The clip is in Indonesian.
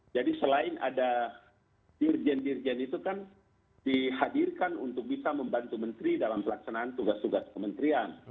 jadi selain ada dirjen dirjen itu kan dihadirkan untuk bisa membantu menteri dalam melaksanakan tugas tugas kementerian